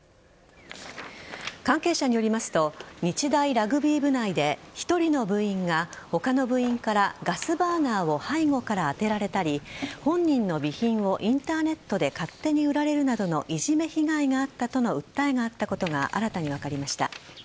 関係者によりますと日大ラグビー部内で１人の部員が他の部員からガスバーナーを背後から当てられたり本人の備品をインターネットで勝手に売られるなどのいじめ被害があったとの訴えがあったことが新たに分かりました。